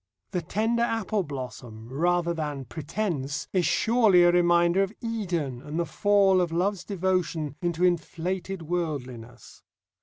The tender apple blossom, rather than Pretence, is surely a reminder of Eden and the fall of love's devotion into inflated worldliness.